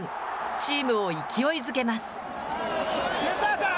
チームを勢いづけます。